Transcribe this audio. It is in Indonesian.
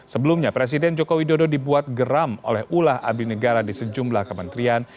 sebelumnya presiden joko widodo dibuat geram oleh ulah abdi negara di sejumlah kementerian